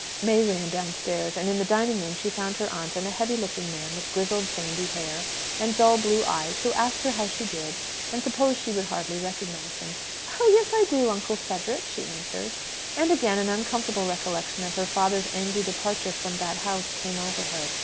May ran downstairs, and in the dining room she found her aunt and a heavy looking man with grizzled, sandy hair, and dull blue eyes, who asked her how she did, and supposed she would hardly recognize him. "Oh yes, I do, Uncle Frederick!" she answered. And again an uncomfortable recollection of her father's angry departure from that house came over her.